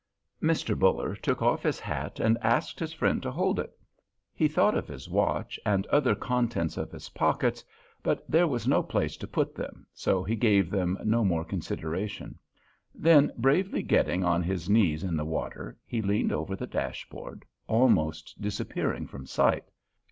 Mr. Buller took off his hat and asked his friend to hold it. He thought of his watch and other contents of his pockets, but there was no place to put them, so he gave them no more consideration. Then bravely getting on his knees in the water, he leaned over the dashboard, almost disappearing from sight.